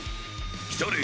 来たれ！